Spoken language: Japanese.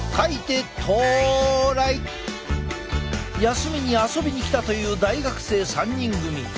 休みに遊びに来たという大学生３人組。